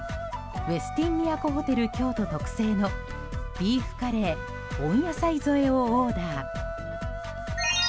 ウェスティン都ホテル京都特製のビーフカレー温野菜添えをオーダー。